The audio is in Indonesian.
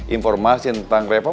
informasi tentang reva